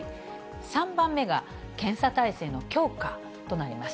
３番目が、検査体制の強化となります。